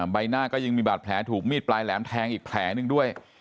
ใบหน้าก็ยังมีบาดแผลถูกมีดปลายแหลมแทงอีกแผลหนึ่งด้วย